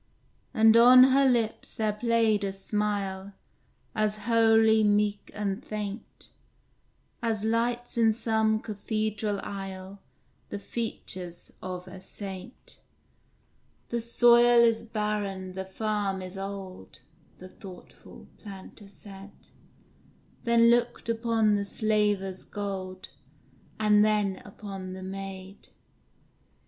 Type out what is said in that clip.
And on her lips there played a smile As holy, meek, and faint, As lights in some cathedral aisle The features of a saint. "The soil is barren, the farm is old;" The thoughtful Planter said; Then looked upon the Slaver's gold, And then upon the maid.